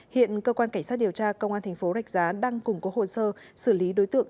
hiện cơ quan cảnh sát điều tra công an thành phố rạch giá đang củng cố hồ sơ xử lý đối tượng